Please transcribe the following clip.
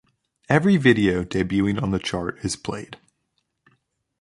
Every video debuting on the chart is played.